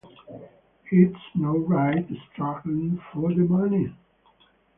It's not right, struggling for the money.